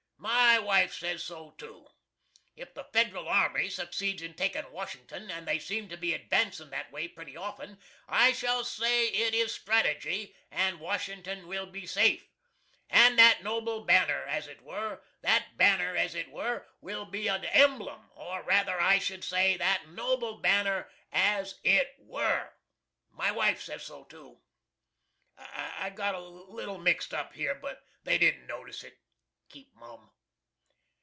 My wife says so too. If the Federal army succeeds in takin' Washington, and they seem to be advancin' that way pretty often, I shall say it is strategy, and Washington will be safe. And that noble banner, as it were that banner, as it were will be a emblem, or rather, I should say, that noble banner AS IT WERE. My wife says so too. [I got a little mixed up here, but they didn't notice it. Keep mum.